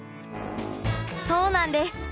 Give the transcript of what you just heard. そうなんです。